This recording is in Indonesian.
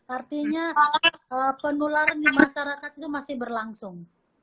artinya penularan di masyarakat itu masih berlangsung